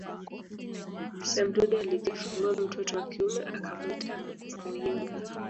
Semduda alijifungua mtoto wa kiume akamuita Muyinga